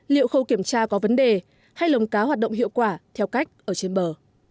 liệu khâu kiểm tra có vấn đề hay lồng cá hoạt động hiệu quả theo cách ở trên bờ